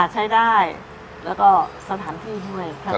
ใช้ได้แล้วก็สถานที่ด้วย